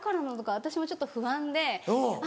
私もちょっと不安で。